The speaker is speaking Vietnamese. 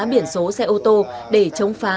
biển số xe ô tô để chống phá